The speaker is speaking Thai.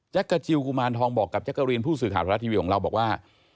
กระจิลกุมารทองบอกกับแจ๊กกะรีนผู้สื่อข่าวทรัฐทีวีของเราบอกว่า